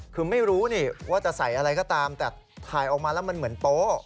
คือไม่รู้นี่ว่าจะใส่อะไรก็ตามแต่ถ่ายออกมาแล้วมันเหมือนโป๊ะ